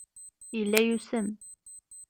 Yella yusem.